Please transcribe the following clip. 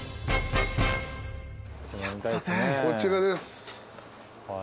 こちらです。